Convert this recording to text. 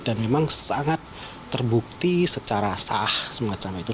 memang sangat terbukti secara sah semacam itu